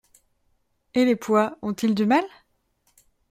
Et les pois, ont-ils du mal ?…